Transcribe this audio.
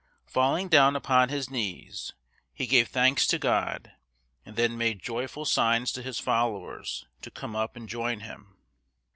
Falling down upon his knees, he gave thanks to God, and then made joyful signs to his followers to come up and join him.